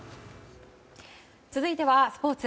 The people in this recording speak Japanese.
続いてはスポーツ。